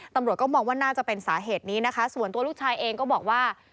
ตำรวจก็มองว่าน่าจะเป็นสาเหตุนี้นะคะส่วนตัวลูกชายเองก็บอกว่า